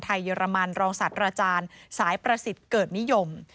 เยอรมันรองศาสตราจารย์สายประสิทธิ์เกิดนิยม